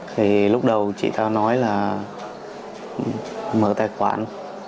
thì lúc đầu chị tha nói là mở tài khoản